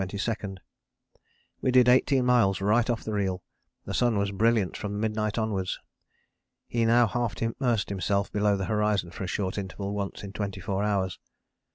We did eighteen miles right off the reel, the sun was brilliant from midnight onwards. He now half immersed himself below the horizon for a short interval once in 24 hours.